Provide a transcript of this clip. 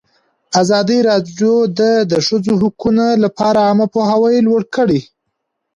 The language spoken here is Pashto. ازادي راډیو د د ښځو حقونه لپاره عامه پوهاوي لوړ کړی.